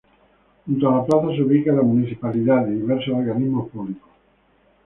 Junto a la Plaza se ubica la municipalidad y diversos organismos públicos.